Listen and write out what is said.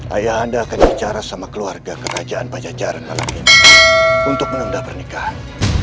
ayah anda akan bicara sama keluarga kerajaan pajajaran malakini untuk menunda pernikahan